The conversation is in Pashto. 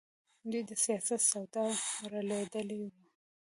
دوی د سیاست سودا ورلوېدلې وه.